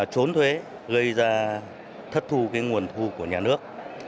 trốn thuế gây ra thất thu cái nguồn thu của nhà nước